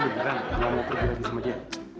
lu beneran ga mau pergi lagi sama dia